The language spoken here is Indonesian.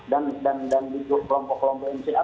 dan kelompok kelompok mca